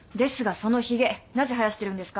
そのひげなぜ生やしてるんですか？